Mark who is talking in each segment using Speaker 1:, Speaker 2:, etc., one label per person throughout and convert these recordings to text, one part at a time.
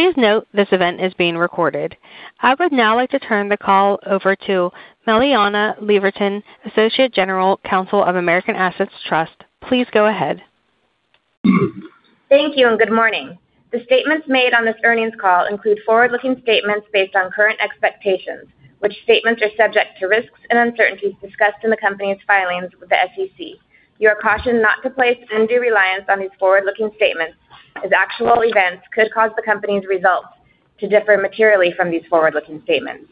Speaker 1: Please note this event is being recorded. I would now like to turn the call over to Meleana Leaverton, Associate General Counsel of American Assets Trust. Please go ahead.
Speaker 2: Thank you and good morning. The statements made on this earnings call include forward-looking statements based on current expectations. Which statements are subject to risks and uncertainties discussed in the company's filings with the SEC. You are cautioned not to place undue reliance on these forward-looking statements as actual events could cause the company's results to differ materially from these forward-looking statements.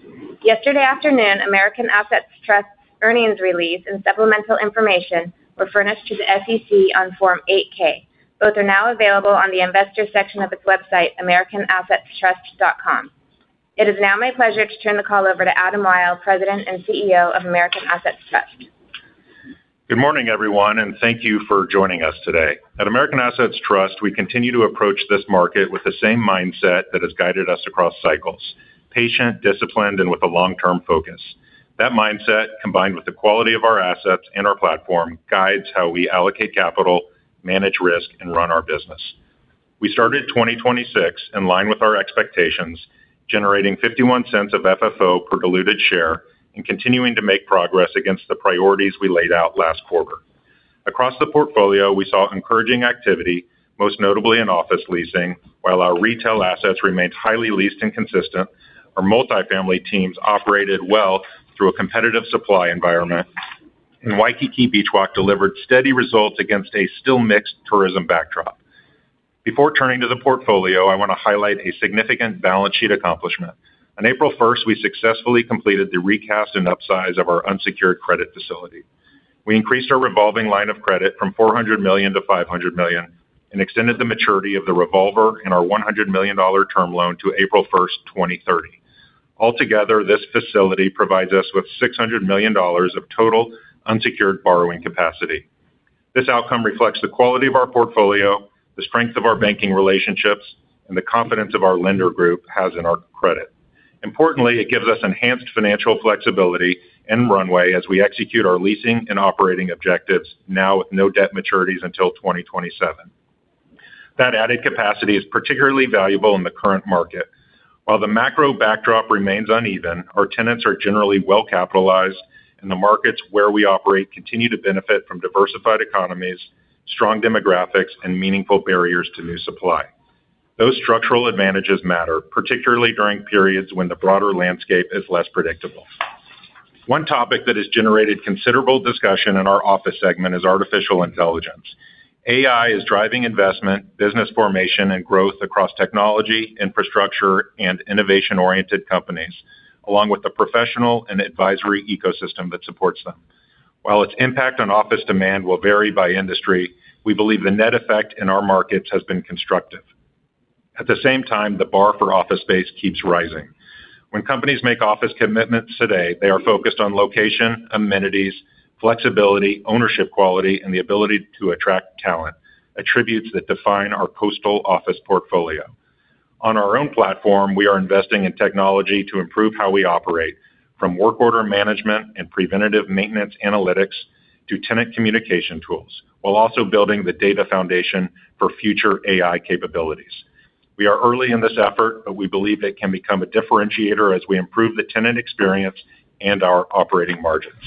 Speaker 2: Yesterday afternoon, American Assets Trust earnings release and supplemental information were furnished to the SEC on Form 8-K. Both are now available on the investor section of its website, americanassetstrust.com. It is now my pleasure to turn the call over to Adam Wyll, President and Chief Executive Officer of American Assets Trust.
Speaker 3: Good morning, everyone, and thank you for joining us today. At American Assets Trust, we continue to approach this market with the same mindset that has guided us across cycles. Patient, disciplined, and with a long-term focus. That mindset, combined with the quality of our assets and our platform, guides how we allocate capital, manage risk, and run our business. We started 2026 in line with our expectations, generating $0.51 of FFO per diluted share and continuing to make progress against the priorities we laid out last quarter. Across the portfolio, we saw encouraging activity, most notably in office leasing, while our retail assets remained highly leased and consistent. Our multifamily teams operated well through a competitive supply environment. Waikiki Beach Walk delivered steady results against a still mixed tourism backdrop. Before turning to the portfolio, I want to highlight a significant balance sheet accomplishment. On April 1st, we successfully completed the recast and upsize of our unsecured credit facility. We increased our revolving line of credit from $400 million to $500 million and extended the maturity of the revolver in our $100 million term loan to April 1st, 2030. Altogether, this facility provides us with $600 million of total unsecured borrowing capacity. This outcome reflects the quality of our portfolio, the strength of our banking relationships, and the confidence of our lender group has in our credit. Importantly, it gives us enhanced financial flexibility and runway as we execute our leasing and operating objectives now with no debt maturities until 2027. That added capacity is particularly valuable in the current market. While the macro backdrop remains uneven, our tenants are generally well capitalized, and the markets where we operate continue to benefit from diversified economies, strong demographics, and meaningful barriers to new supply. Those structural advantages matter, particularly during periods when the broader landscape is less predictable. One topic that has generated considerable discussion in our office segment is artificial intelligence. AI is driving investment, business formation, and growth across technology, infrastructure, and innovation-oriented companies, along with the professional and advisory ecosystem that supports them. While its impact on office demand will vary by industry, we believe the net effect in our markets has been constructive. At the same time, the bar for office space keeps rising. When companies make office commitments today, they are focused on location, amenities, flexibility, ownership quality, and the ability to attract talent, attributes that define our coastal office portfolio. On our own platform, we are investing in technology to improve how we operate, from work order management and preventative maintenance analytics to tenant communication tools, while also building the data foundation for future AI capabilities. We are early in this effort, but we believe it can become a differentiator as we improve the tenant experience and our operating margins.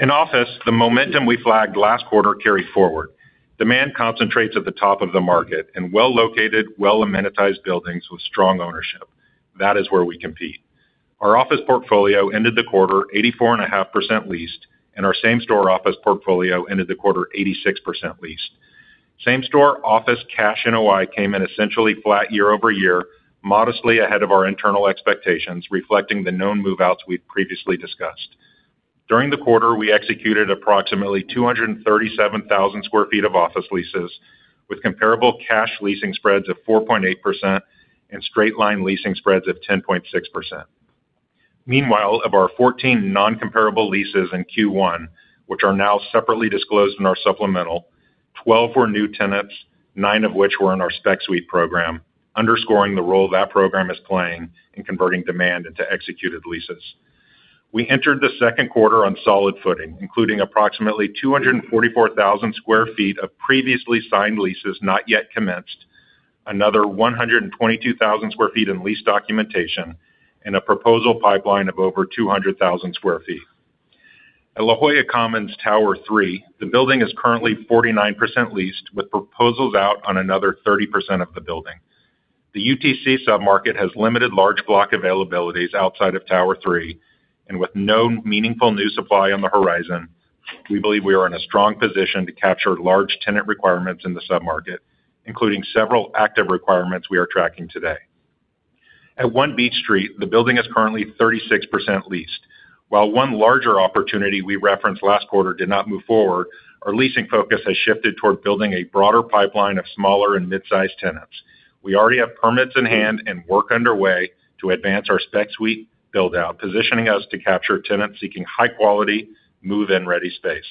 Speaker 3: In office, the momentum we flagged last quarter carried forward. Demand concentrates at the top of the market in well-located, well-amenitized buildings with strong ownership. That is where we compete. Our office portfolio ended the quarter 84.5% leased, and our same-store office portfolio ended the quarter 86% leased. Same-store office cash NOI came in essentially flat year-over-year, modestly ahead of our internal expectations, reflecting the known move-outs we've previously discussed. During the quarter, we executed approximately 237,000 sq ft of office leases with comparable cash leasing spreads of 4.8% and straight-line leasing spreads of 10.6%. Meanwhile, of our 14 non-comparable leases in Q1, which are now separately disclosed in our supplemental, 12 were new tenants, nine of which were in our Spec Suite program, underscoring the role that program is playing in converting demand into executed leases. We entered the second quarter on solid footing, including approximately 244,000 sq ft of previously signed leases not yet commenced, another 122,000 sq ft in lease documentation, and a proposal pipeline of over 200,000 sq ft. At La Jolla Commons Tower III, the building is currently 49% leased, with proposals out on another 30% of the building. The UTC sub-market has limited large block availabilities outside of Tower III, and with no meaningful new supply on the horizon, we believe we are in a strong position to capture large tenant requirements in the sub-market, including several active requirements we are tracking today. At One Beach Street, the building is currently 36% leased. While one larger opportunity we referenced last quarter did not move forward, our leasing focus has shifted toward building a broader pipeline of smaller and mid-sized tenants. We already have permits in hand and work underway to advance our Spec Suite build-out, positioning us to capture tenants seeking high quality move-in ready space.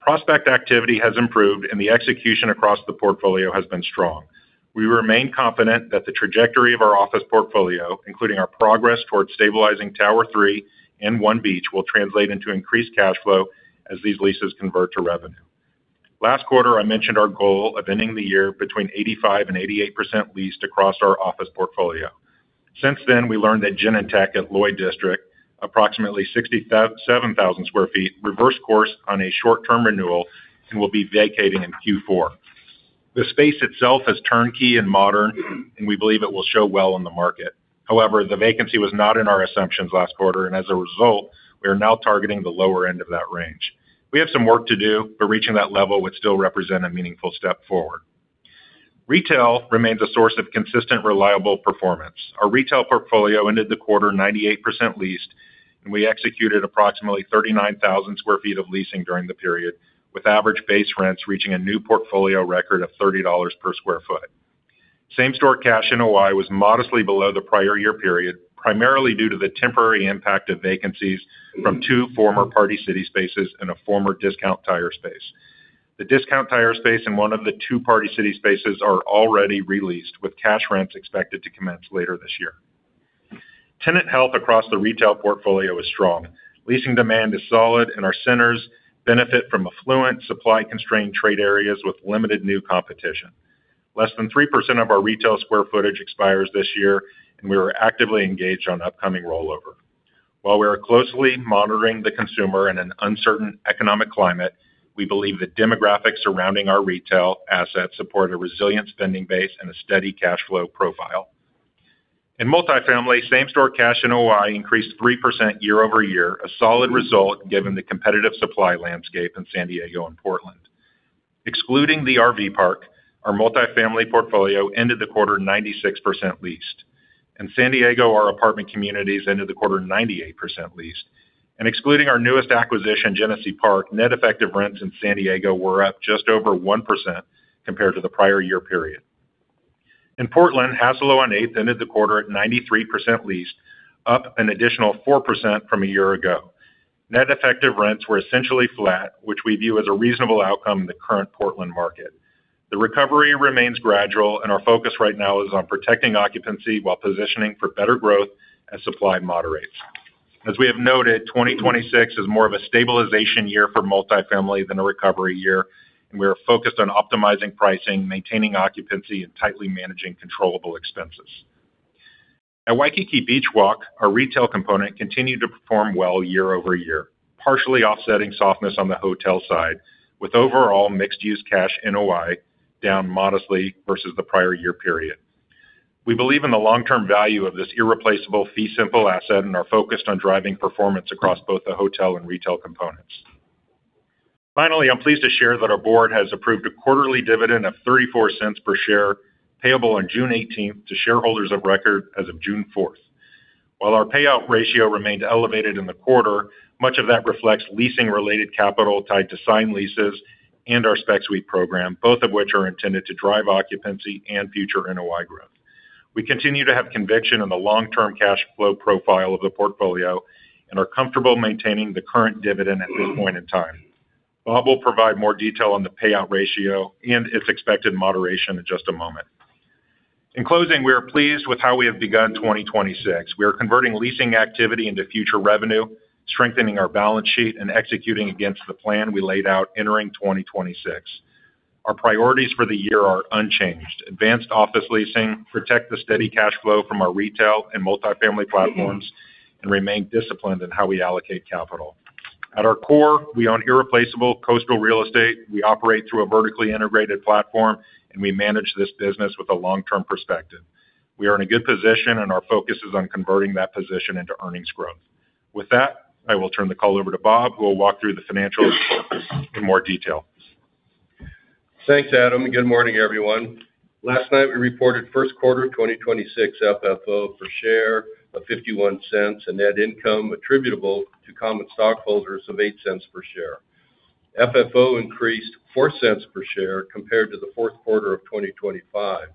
Speaker 3: Prospect activity has improved and the execution across the portfolio has been strong. We remain confident that the trajectory of our office portfolio, including our progress towards stabilizing Tower III and One Beach, will translate into increased cash flow as these leases convert to revenue. Last quarter, I mentioned our goal of ending the year between 85% and 88% leased across our office portfolio. Since then, we learned that Genentech at Lloyd District, approximately 67,000 sq ft, reversed course on a short-term renewal and will be vacating in Q4. The space itself is turnkey and modern, and we believe it will show well in the market. However, the vacancy was not in our assumptions last quarter, and as a result, we are now targeting the lower end of that range. We have some work to do, but reaching that level would still represent a meaningful step forward. Retail remains a source of consistent, reliable performance. Our retail portfolio ended the quarter 98% leased, and we executed approximately 39,000 sq ft of leasing during the period, with average base rents reaching a new portfolio record of $30 per sq ft. Same-store cash NOI was modestly below the prior year period, primarily due to the temporary impact of vacancies from two former Party City spaces and a former Discount Tire space. The Discount Tire space and one of the two Party City spaces are already re-leased, with cash rents expected to commence later this year. Tenant health across the retail portfolio is strong. Leasing demand is solid, and our centers benefit from affluent, supply-constrained trade areas with limited new competition. Less than 3% of our retail square feet expires this year, and we are actively engaged on upcoming rollover. While we are closely monitoring the consumer in an uncertain economic climate, we believe the demographics surrounding our retail assets support a resilient spending base and a steady cash flow profile. In multifamily, same-store cash NOI increased 3% year-over-year, a solid result given the competitive supply landscape in San Diego and Portland. Excluding the RV park, our multifamily portfolio ended the quarter 96% leased. In San Diego, our apartment communities ended the quarter 98% leased. Excluding our newest acquisition, Genesee Park, net effective rents in San Diego were up just over 1% compared to the prior year period. In Portland, Hassalo on Eighth ended the quarter at 93% leased, up an additional 4% from a year ago. Net effective rents were essentially flat, which we view as a reasonable outcome in the current Portland market. The recovery remains gradual, and our focus right now is on protecting occupancy while positioning for better growth as supply moderates. As we have noted, 2026 is more of a stabilization year for multifamily than a recovery year, and we are focused on optimizing pricing, maintaining occupancy, and tightly managing controllable expenses. At Waikiki Beach Walk, our retail component continued to perform well year-over-year, partially offsetting softness on the hotel side, with overall mixed-use cash NOI down modestly versus the prior year period. We believe in the long-term value of this irreplaceable fee simple asset and are focused on driving performance across both the hotel and retail components. Finally, I'm pleased to share that our board has approved a quarterly dividend of $0.34 per share, payable on June 18th to shareholders of record as of June 4th. While our payout ratio remained elevated in the quarter, much of that reflects leasing-related capital tied to signed leases and our Spec Suite program, both of which are intended to drive occupancy and future NOI growth. We continue to have conviction in the long-term cash flow profile of the portfolio and are comfortable maintaining the current dividend at this point in time. Bob will provide more detail on the payout ratio and its expected moderation in just a moment. In closing, we are pleased with how we have begun 2026. We are converting leasing activity into future revenue, strengthening our balance sheet, and executing against the plan we laid out entering 2026. Our priorities for the year are unchanged: advanced office leasing, protect the steady cash flow from our retail and multifamily platforms, and remain disciplined in how we allocate capital. At our core, we own irreplaceable coastal real estate. We operate through a vertically integrated platform, and we manage this business with a long-term perspective. We are in a good position, and our focus is on converting that position into earnings growth. With that, I will turn the call over to Bob, who will walk through the financial performance in more detail.
Speaker 4: Thanks, Adam. Good morning, everyone. Last night, we reported first quarter 2026 FFO per share of $0.51 and net income attributable to common stockholders of $0.08 per share. FFO increased $0.04 per share compared to the fourth quarter of 2025,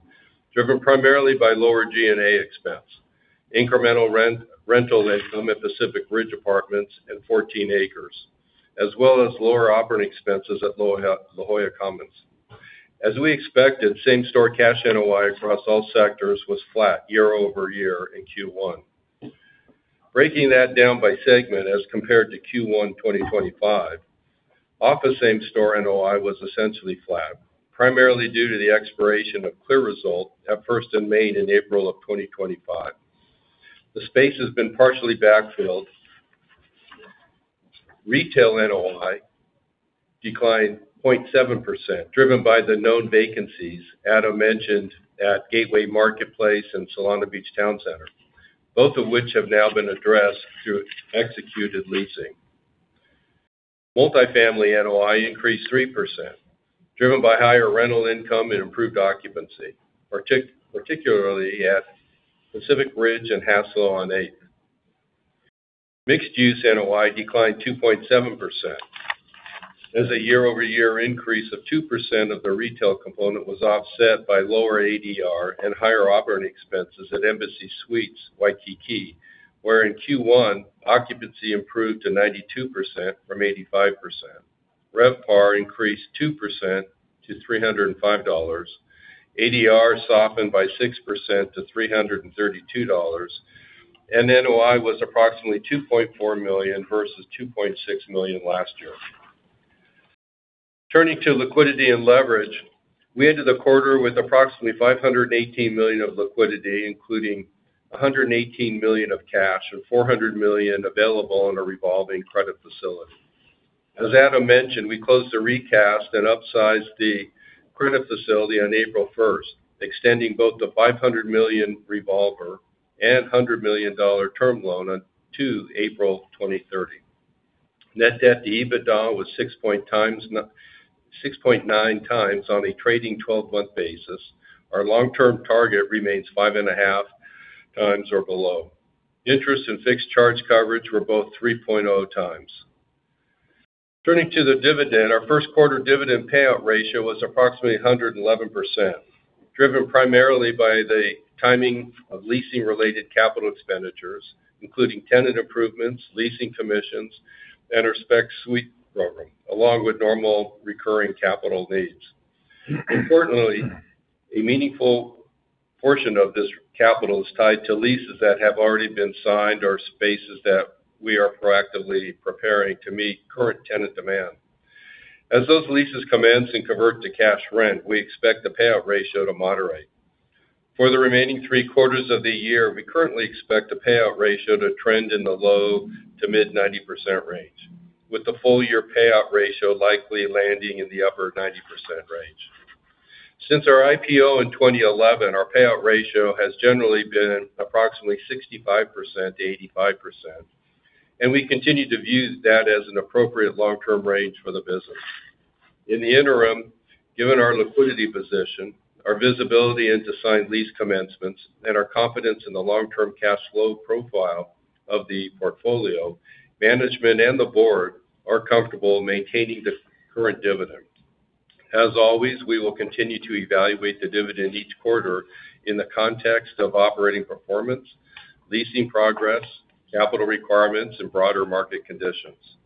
Speaker 4: driven primarily by lower G&A expense, incremental rental income at Pacific Ridge Apartments and 14 acres, as well as lower operating expenses at La Jolla Commons. As we expected, same-store cash NOI across all sectors was flat year-over-year in Q1. Breaking that down by segment as compared to Q1 2025, office same-store NOI was essentially flat, primarily due to the expiration of CLEAResult at First and Main in April 2025. The space has been partially backfilled. Retail NOI declined 0.7%, driven by the known vacancies Adam mentioned at Gateway Marketplace and Solana Beach Town Center, both of which have now been addressed through executed leasing. Multifamily NOI increased 3%, driven by higher rental income and improved occupancy, particularly at Pacific Ridge and Hassalo on Eighth. Mixed use NOI declined 2.7%, as a year-over-year increase of 2% of the retail component was offset by lower ADR and higher operating expenses at Embassy Suites Waikiki, where in Q1, occupancy improved to 92% from 85%. RevPAR increased 2% to $305. ADR softened by 6% to $332. NOI was approximately $2.4 million versus $2.6 million last year. Turning to liquidity and leverage, we ended the quarter with approximately $518 million of liquidity, including $118 million of cash and $400 million available on a revolving credit facility. As Adam mentioned, we closed the recast and upsized the credit facility on April 1st, extending both the $500 million revolver and $100 million term loan on to April 2030. Net debt to EBITDA was 6.9x on a trailing 12-month basis. Our long-term target remains 5.5x or below. Interest and fixed charge coverage were both 3.0x. Turning to the dividend, our first quarter dividend payout ratio was approximately 111%, driven primarily by the timing of leasing related capital expenditures, including Tenant Improvements, leasing commissions, and our Spec Suite program, along with normal recurring capital needs. Importantly, a meaningful portion of this capital is tied to leases that have already been signed or spaces that we are proactively preparing to meet current tenant demand. As those leases commence and convert to cash rent, we expect the payout ratio to moderate. For the remaining three quarters of the year, we currently expect the payout ratio to trend in the low to mid 90% range, with the full year payout ratio likely landing in the upper 90% range. Since our IPO in 2011, our payout ratio has generally been approximately 65%-85%, and we continue to view that as an appropriate long-term range for the business. In the interim, given our liquidity position, our visibility into signed lease commencements, and our confidence in the long-term cash flow profile of the portfolio, management and the board are comfortable maintaining the current dividend. As always, we will continue to evaluate the dividend each quarter in the context of operating performance, leasing progress, capital requirements, and broader market conditions.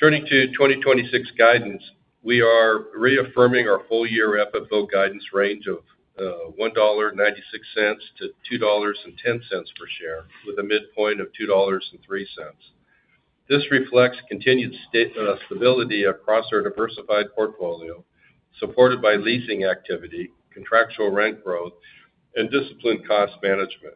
Speaker 4: Turning to 2026 guidance, we are reaffirming our full year FFO guidance range of $1.96-$2.10 per share, with a midpoint of $2.03. This reflects continued stability across our diversified portfolio, supported by leasing activity, contractual rent growth, and disciplined cost management.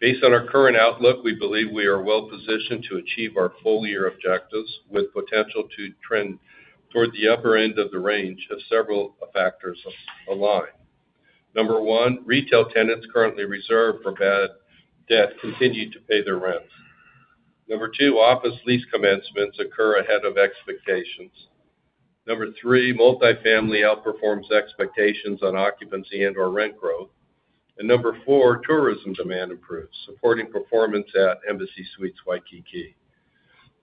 Speaker 4: Based on our current outlook, we believe we are well positioned to achieve our full year objectives, with potential to trend toward the upper end of the range as several factors align. Number one, retail tenants currently reserved for bad debt continue to pay their rents. Number two, office lease commencements occur ahead of expectations. Number three, multifamily outperforms expectations on occupancy and or rent growth. Number four, tourism demand improves, supporting performance at Embassy Suites Waikiki.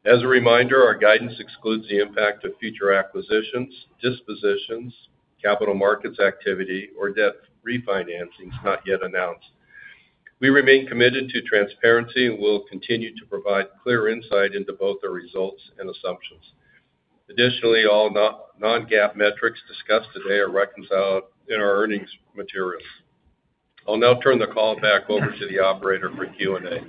Speaker 4: As a reminder, our guidance excludes the impact of future acquisitions, dispositions, capital markets activity, or debt refinancings not yet announced. We remain committed to transparency and will continue to provide clear insight into both the results and assumptions. Additionally, all non-GAAP metrics discussed today are reconciled in our earnings materials. I'll now turn the call back over to the operator for Q&A.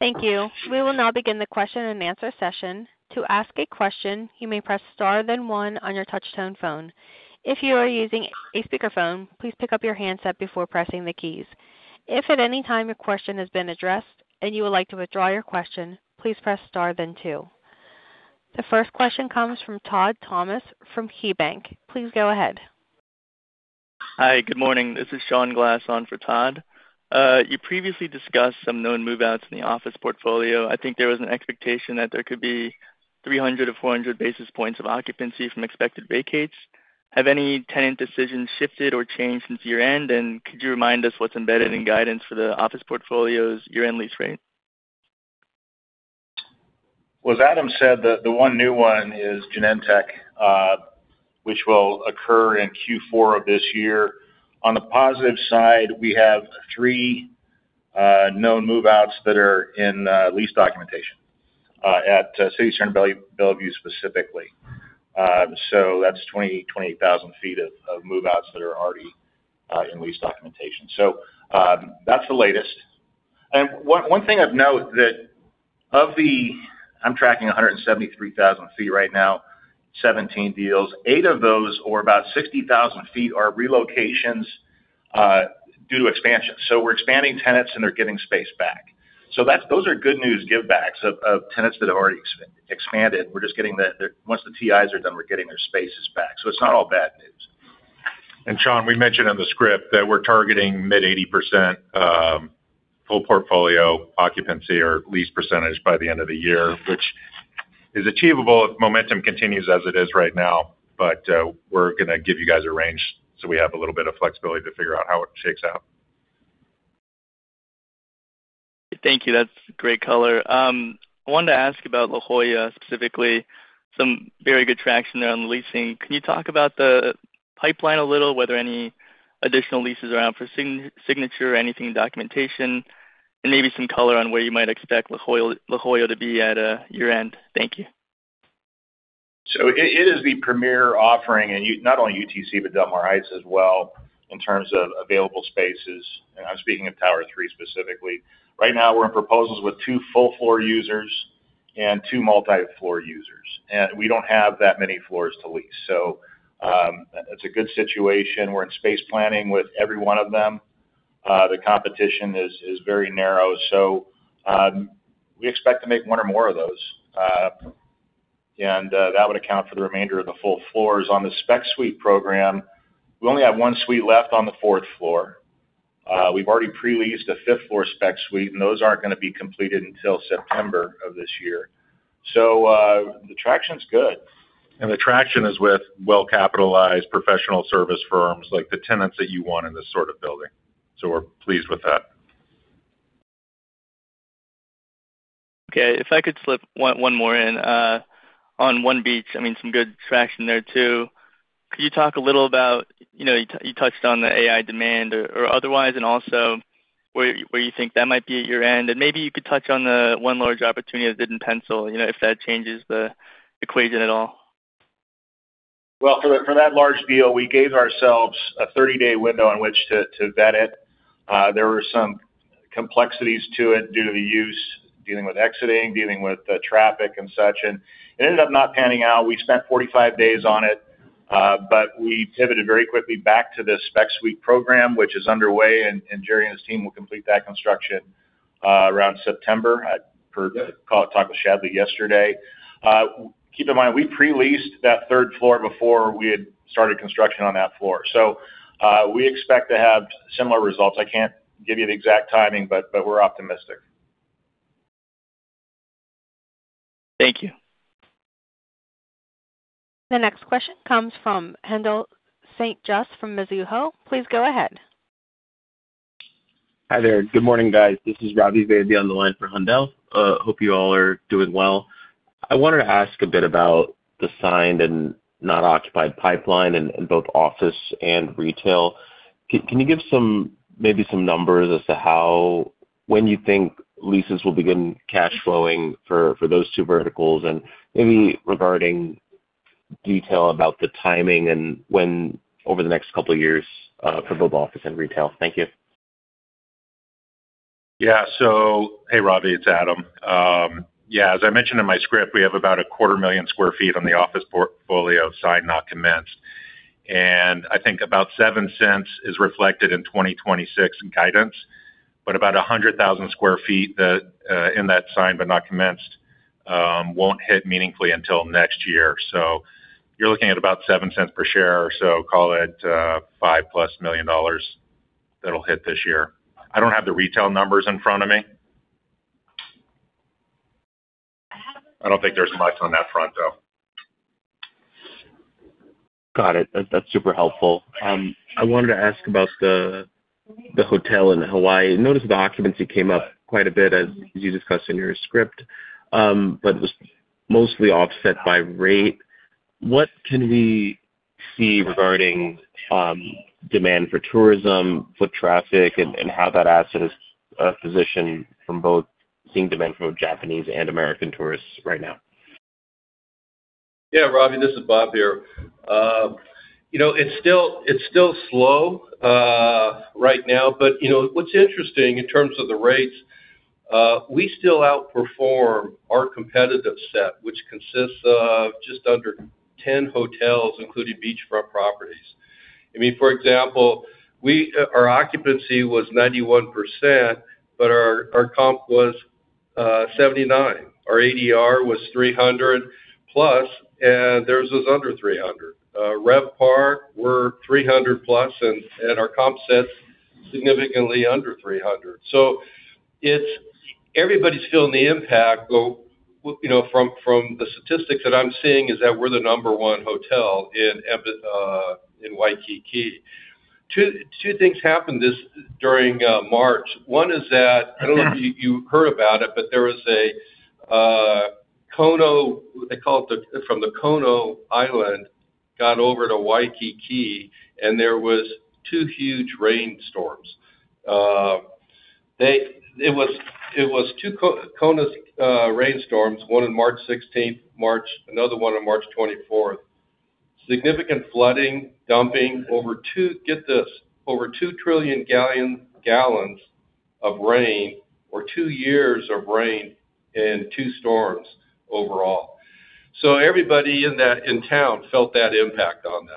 Speaker 1: Thank you. We will now begin the question and answer session. The first question comes from Todd Thomas from KeyBank. Please go ahead.
Speaker 5: Hi, good morning. This is Sean Glass on for Todd. You previously discussed some known move-outs in the office portfolio. I think there was an expectation that there could be 300 or 400 basis points of occupancy from expected vacates. Have any tenant decisions shifted or changed since year-end? Could you remind us what's embedded in guidance for the office portfolio's year-end lease rate?
Speaker 4: As Adam said, the one new one is Genentech, which will occur in Q4 of this year. On the positive side, we have three known move-outs that are in lease documentation at City Center Bellevue specifically. That's 28,000 ft of move-outs that are already in lease documentation. That's the latest. One thing of note that I'm tracking 173,000 ft right now, 17 deals. Eight of those, or about 60,000 ft, are relocations due to expansion. We're expanding tenants, they're giving space back. Those are good news give backs of tenants that have already expanded. We're just getting Once the TIs are done, we're getting their spaces back. It's not all bad news.
Speaker 3: Sean, we mentioned on the script that we're targeting mid 80% full portfolio occupancy or lease percentage by the end of the year, which is achievable if momentum continues as it is right now. We're gonna give you guys a range, so we have a little bit of flexibility to figure out how it shakes out.
Speaker 5: Thank you. That's great color. I wanted to ask about La Jolla, specifically some very good traction there on the leasing. Can you talk about the pipeline a little, whether any additional leases are out for signature or anything in documentation? Maybe some color on where you might expect La Jolla to be at year-end. Thank you.
Speaker 3: It is the premier offering in not only UTC, but Del Mar Heights as well in terms of available spaces, and I'm speaking of Tower III specifically. Right now, we're in proposals with two full floor users and two multi-floor users. We don't have that many floors to lease. It's a good situation. We're in space planning with every one of them. The competition is very narrow. We expect to make one or more of those. That would account for the remainder of the full floors. On the Spec Suite program, we only have one suite left on the fourth floor. We've already pre-leased a fifth floor Spec Suite, and those aren't gonna be completed until September of this year. The traction's good. The traction is with well-capitalized professional service firms, like the tenants that you want in this sort of building. We're pleased with that.
Speaker 5: Okay. If I could slip one more in on One Beach, I mean, some good traction there too. Could you talk a little about, you know, you touched on the AI demand or otherwise, and also where you think that might be at your end. Maybe you could touch on the one large opportunity that didn't pencil, you know, if that changes the equation at all.
Speaker 3: Well, for that large deal, we gave ourselves a 30-day window in which to vet it. There were some complexities to it due to the use, dealing with exiting, dealing with traffic and such, it ended up not panning out. We spent 45 days on it, we pivoted very quickly back to the Spec Suite program, which is underway, and Jerry and his team will complete that construction around September. I talked with Shad yesterday. Keep in mind, we pre-leased that third floor before we had started construction on that floor. We expect to have similar results. I can't give you the exact timing, but we're optimistic.
Speaker 5: Thank you.
Speaker 1: The next question comes from Haendel St. Juste from Mizuho. Please go ahead.
Speaker 6: Hi there. Good morning, guys. This is Ravi [Vaidya] on the line for Haendel St. Juste. Hope you all are doing well. I wanted to ask a bit about the signed and not occupied pipeline in both office and retail. Can you give some, maybe some numbers as to when you think leases will begin cash flowing for those two verticals? Maybe regarding detail about the timing and when over the next two years, for both office and retail. Thank you.
Speaker 3: Hey, Ravi, it's Adam. As I mentioned in my script, we have about a quarter of a million square feet on the office portfolio signed, not commenced. I think about $0.07 is reflected in 2026 guidance, but about 100,000 sq ft in that signed but not commenced won't hit meaningfully until next year. You're looking at about $0.07 per share or so, call it, +$5 million that'll hit this year. I don't have the retail numbers in front of me. I don't think there's much on that front, though.
Speaker 6: Got it. That's super helpful. I wanted to ask about the hotel in Hawaii. I noticed the occupancy came up quite a bit as you discussed in your script, but it was mostly offset by rate. What can we see regarding demand for tourism, foot traffic, and how that asset is positioned from both seeing demand from Japanese and American tourists right now?
Speaker 4: Yeah, Ravi, this is Bob here. You know, it's still slow right now. You know, what's interesting in terms of the rates, we still outperform our competitive set, which consists of just under 10 hotels, including beachfront properties. I mean, for example, our occupancy was 91%, but our comp was 79%. Our ADR was +$300, and theirs was under $300. RevPAR were +$300, and our comp set significantly under $300. Everybody's feeling the impact, but, you know, from the statistics that I'm seeing is that we're the number one hotel in Waikiki. Two things happened during March. One is that, I don't know if you heard about it, but there was a Kona. They call it from Kona, got over to Waikiki, and there was two huge rainstorms. It was two Kona rainstorms, one on March 16th, another one on March 24th. Significant flooding, dumping over two, get this, over 2 trillion gallons of rain or two years of rain in two storms overall. Everybody in town felt that impact on them.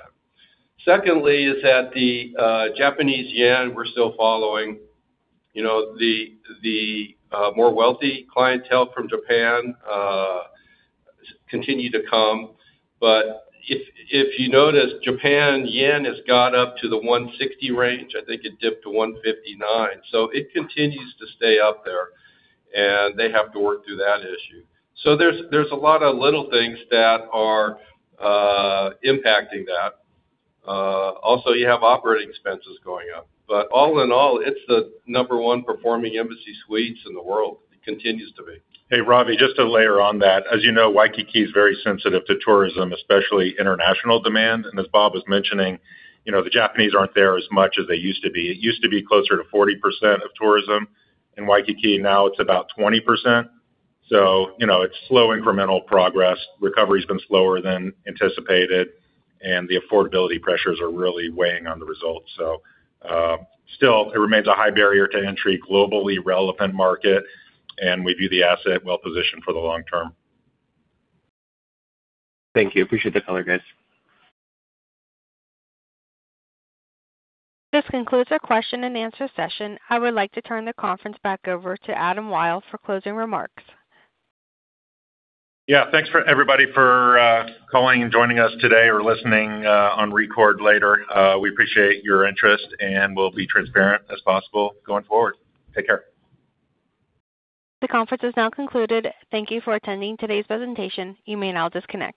Speaker 4: Secondly is that the Japanese yen we're still following. You know, the more wealthy clientele from Japan continue to come. If you notice, Japanese yen has got up to the 160 range. I think it dipped to 159. It continues to stay up there, and they have to work through that issue. There's a lot of little things that are impacting that. Also, you have operating expenses going up. All in all, it's the number one performing Embassy Suites in the world. It continues to be.
Speaker 3: Hey, Ravi, just to layer on that. As you know, Waikiki is very sensitive to tourism, especially international demand. As Bob was mentioning, you know, the Japanese aren't there as much as they used to be. It used to be closer to 40% of tourism in Waikiki. Now it's about 20%. You know, it's slow incremental progress. Recovery's been slower than anticipated, and the affordability pressures are really weighing on the results. Still, it remains a high barrier to entry globally relevant market, and we view the asset well-positioned for the long term.
Speaker 6: Thank you. Appreciate the color, guys.
Speaker 1: This concludes our question and answer session. I would like to turn the conference back over to Adam Wyll for closing remarks.
Speaker 3: Thanks for everybody for calling and joining us today or listening on record later. We appreciate your interest, and we'll be transparent as possible going forward. Take care.
Speaker 1: The conference is now concluded. Thank you for attending today's presentation. You may now disconnect.